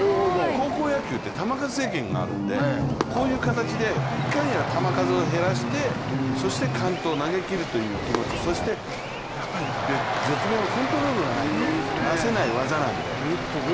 高校野球って球数制限があってこういう形でいかに球数を減らしてそして完投、投げきるという気持ち、そして、絶妙なコントロールがないと出せない技なんで。